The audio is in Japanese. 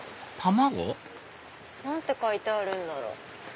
何て書いてあるんだろう？